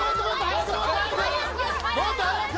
もっと速く！